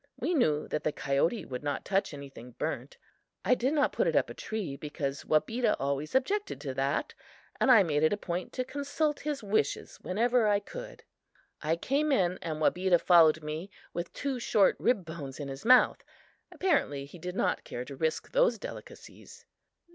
We knew that the coyote would not touch anything burnt. I did not put it up a tree because Wabeda always objected to that, and I made it a point to consult his wishes whenever I could. I came in and Wabeda followed me with two short rib bones in his mouth. Apparently he did not care to risk those delicacies.